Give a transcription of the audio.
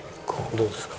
どうですか？